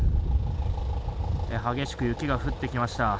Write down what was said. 激しく雪が降ってきました。